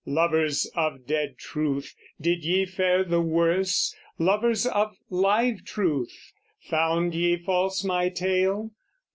Lovers of dead truth, did ye fare the worse? Lovers of live truth, found ye false my tale?